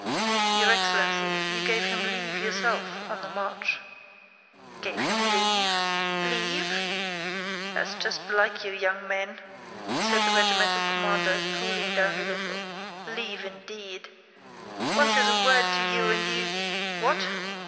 "Your excellency, you gave him leave yourself, on the march." "Gave him leave? Leave? That's just like you young men," said the regimental commander cooling down a little. "Leave indeed.... One says a word to you and you... What?"